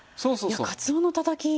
いやかつおのたたき